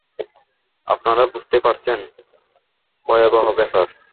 আপনারা বুঝতেই পারছেন, ভয়াবহ ব্যাপার।